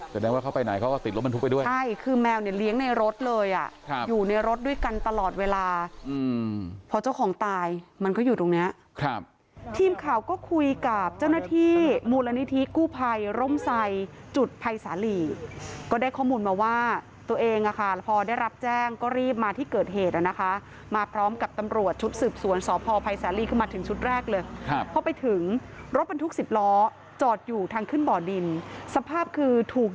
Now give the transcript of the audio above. เดี๋ยวแมวเข้าไปไหนเขาก็ติดรถบรรทุกไปด้วยใช่คือแมวเนี่ยเลี้ยงในรถเลยอยู่ในรถด้วยกันตลอดเวลาพอเจ้าของตายมันก็อยู่ตรงนี้ครับทีมข่าวก็คุยกับเจ้าหน้าที่มูลนิธิกู้ภัยร่มไซด์จุดภัยสาหรี่ก็ได้ข้อมูลมาว่าตัวเองพอได้รับแจ้งก็รีบมาที่เกิดเหตุนะคะมาพร้อมกับตำรวจชุดสืบ